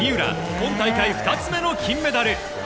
今大会２つ目の金メダル。